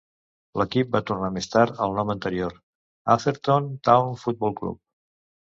L'equip va tornar més tard al nom anterior, Atherstone Town Football Club.